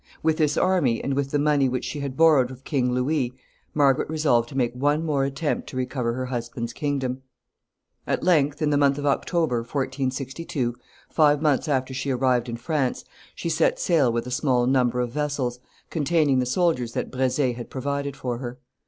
With this army, and with the money which she had borrowed of King Louis, Margaret resolved to make one more attempt to recover her husband's kingdom. [Sidenote: Margaret's plans.] At length, in the month of October, 1462, five months after she arrived in France, she set sail with a small number of vessels, containing the soldiers that Brezé had provided for her.